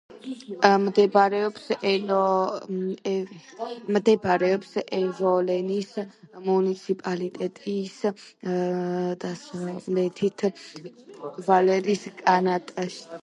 მდებარეობს ევოლენის მუნიციპალიტეტის დასავლეთით, ვალეს კანტონში.